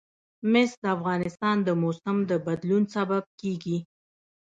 مس د افغانستان د موسم د بدلون سبب کېږي.